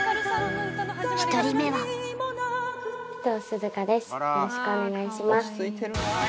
１人目はよろしくお願いします